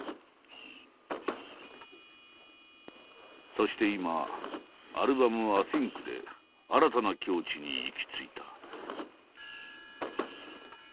そして今アルバム「ａｓｙｎｃ」で新たな境地に行き着いた。